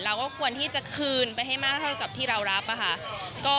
เราก็ควรที่จะคืนไปให้มากเท่ากับที่เรารับค่ะ